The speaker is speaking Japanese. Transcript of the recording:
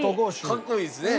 かっこいいですね。